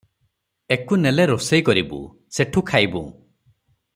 ଏକୁ ନେଲେ ରୋଷେଇ କରିବୁ, ସେଠୁ ଖାଇବୁଁ ।